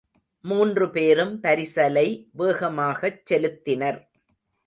மூன்று பேரும் பரிசலை வேகமாகச் செலுத்தினர்.